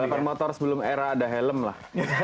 delapan motor sebelum era ada helm lah